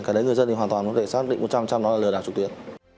cái đấy người dân thì hoàn toàn có thể xác định một trăm linh đó là lừa đảo trực tuyến